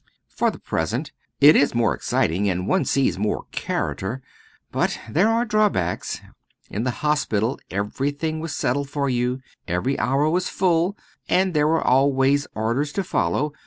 "For the present. It is more exciting, and one sees more character. But there are drawbacks. In hospital everything was settled for you every hour was full, and there were always orders to follow.